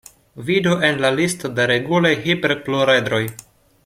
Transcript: Vidu en la listo de regulaj hiperpluredroj.